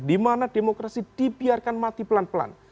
dimana demokrasi dibiarkan mati pelan pelan